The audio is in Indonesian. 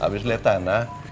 habis liatan ah